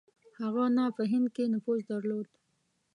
هغه نه په هند کې نفوذ درلود.